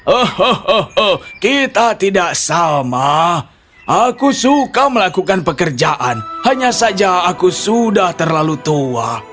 oh kita tidak sama aku suka melakukan pekerjaan hanya saja aku sudah terlalu tua